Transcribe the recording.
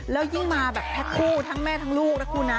แล้วยิ่งมาแบบแพ็คคู่ทั้งแม่ทั้งลูกนะคุณนะ